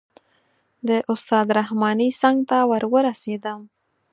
د استاد رحماني څنګ ته ور ورسېدم.